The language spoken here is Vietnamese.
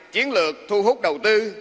chiến lược thu hút đầu tư